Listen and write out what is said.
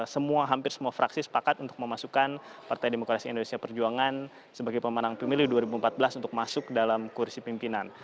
semua hampir semua fraksi sepakat untuk memasukkan partai demokrasi indonesia perjuangan sebagai pemenang pemilu dua ribu empat belas untuk masuk dalam kursi pimpinan